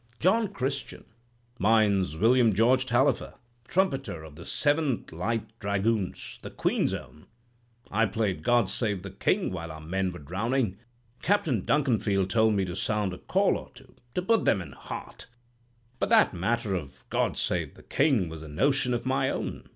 "'John Christian.' "'Mine's William George Tallifer, trumpeter, of the Seventh Light Dragoons—the Queen's Own. I played "God Save the King" while our men were drowning. Captain Duncanfield told me to sound a call or two, to put them in heart; but that matter of "God Save the King" was a notion of my own.